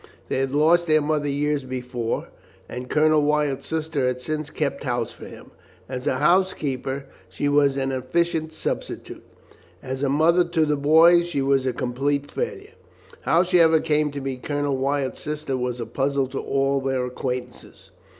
They had lost their mother years before, and Colonel Wyatt's sister had since kept house for him. As a housekeeper she was an efficient substitute, as a mother to the boys she was a complete failure. How she ever came to be Colonel Wyatt's sister was a puzzle to all their acquaintances.